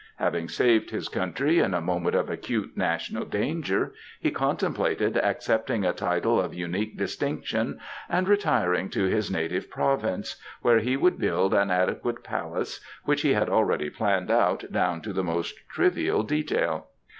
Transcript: Having saved his country in a moment of acute national danger, he contemplated accepting a title of unique distinction and retiring to his native province, where he would build an adequate palace which he had already planned out down to the most trivial detail.